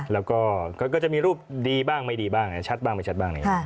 แล้วก็ก็จะมีรูปดีบ้างไม่ดีบ้างชัดบ้างไม่ชัดบ้าง